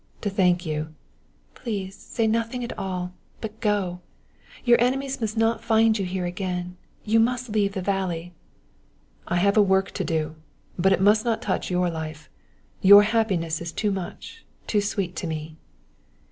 To thank you " "Please say nothing at all but go! Your enemies must not find you here again you must leave the valley!" "I have a work to do! But it must not touch your life. Your happiness is too much, too sweet to me."